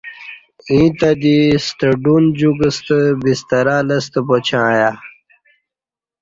ییں تہ دی ستہ ڈون جُوکہ ستہ بسترہ لستہ پاچیں ایا